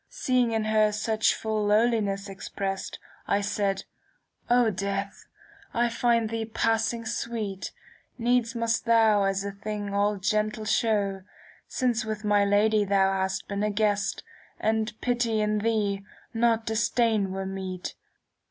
Seeing in her such full lowliness exprest, I said ' O Death, I find thee passing sweet : Needs must thou as a thing all gentle show, Since with my Lady thou hast been a guest, ^^ And pity in thee, not disdain, were meet.